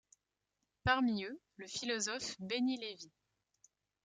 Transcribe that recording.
Parmi eux, le philosophe Benny Lévy.